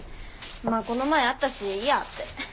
まあこの前会ったしいいやって。